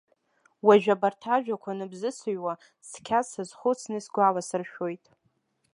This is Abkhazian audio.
Уажәы, абарҭ ажәақәа аныбзызыҩуа, цқьа сазхәыцны исгәаласыршәоит.